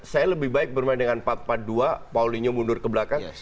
saya lebih baik bermain dengan empat empat dua paulinho mundur ke belakang